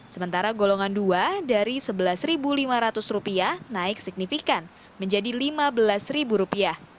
sementara golongan dua dari rp sebelas lima ratus naik signifikan menjadi rp lima belas